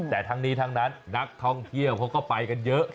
แต่ทั้งนี้ทั้งนั้นนักท่องเที่ยวเขาก็ไปกันเยอะ